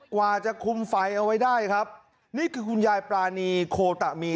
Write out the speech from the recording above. กว่าจะคุมไฟเอาไว้ได้ครับนี่คือคุณยายปรานีโคตะมี